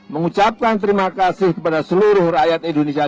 mengucapkan terima kasih kepada seluruh rakyat indonesia